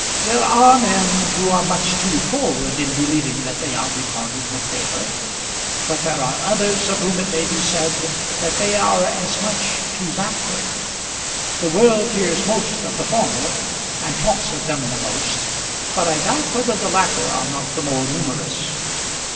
There are men who are much too forward in believing that they are regarded with favour; but there are others of whom it may be said that they are as much too backward. The world hears most of the former, and talks of them the most, but I doubt whether the latter are not the more numerous.